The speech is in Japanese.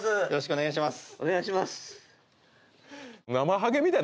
お願いします